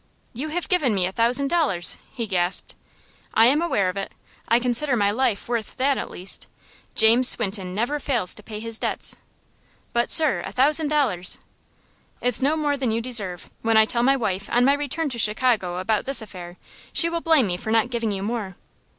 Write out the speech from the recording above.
"You have given me a thousand dollars!" he gasped. "I am aware of it. I consider my life worth that, at least. James Swinton never fails to pay his debts." "But, sir, a thousand dollars " "It's no more than you deserve. When I tell my wife, on my return to Chicago, about this affair, she will blame me for not giving you more."